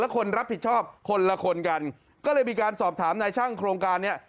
คนรับผิดชอบคนละคนกันก็เลยมีการสอบถามนายช่างโครงการเนี่ย